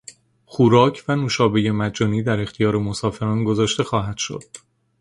خوراک و نوشابهی مجانی در اختیار مسافران گذاشته خواهد شد.